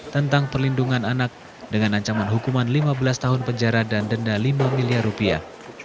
tentang perlindungan anak dengan ancaman hukuman lima belas tahun penjara dan denda lima miliar rupiah